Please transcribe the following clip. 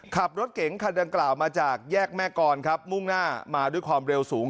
ขับรถเก๋งคันดังกล่าวมาจากแยกแม่กรครับมุ่งหน้ามาด้วยความเร็วสูง